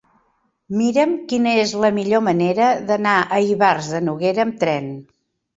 Mira'm quina és la millor manera d'anar a Ivars de Noguera amb tren.